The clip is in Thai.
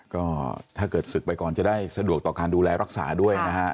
ก็ถ้าเกิดศึกไปก่อนจะได้สะดวกต่อการดูแลรักษาด้วยนะฮะ